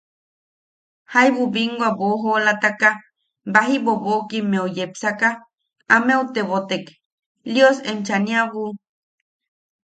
Jaibu binwa boʼojoolataka baji bobokimmeu yepsaka ameu tebotek: –Lios enchaniabu.